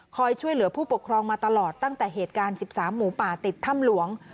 ช่วยเหลือผู้ปกครองมาตลอดตั้งแต่เหตุการณ์๑๓หมูป่าติดถ้ำหลวง